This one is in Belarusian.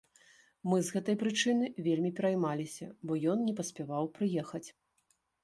Мы з гэтай прычыны вельмі пераймаліся, бо ён не паспяваў прыехаць.